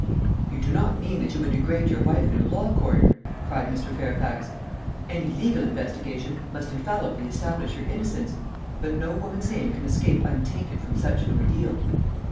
"You do not mean that you would degrade your wife in a law court!" cried Mr. Fairfax. "Any legal investigation must infallibly establish her innocence; but no woman's name can escape untainted from such an ordeal."